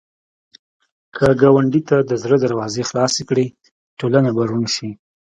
که ګاونډي ته د زړه دروازې خلاصې کړې، ټولنه به روڼ شي